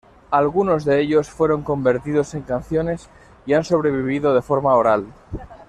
Algunos de ellos fueron convertidos en canciones y han sobrevivido de forma oral.